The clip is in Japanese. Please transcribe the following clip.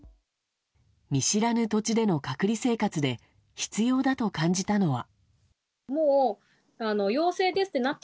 見知らぬ土地での隔離生活で必要だと感じたのは。